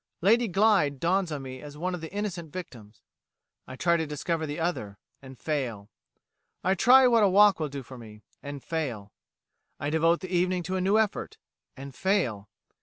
Lady Glyde dawns on me as one of the innocent victims. I try to discover the other and fail. I try what a walk will do for me and fail. I devote the evening to a new effort and fail.